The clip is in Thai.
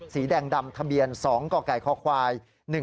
สีแดงดำทะเบียน๒กกคควาย๑๒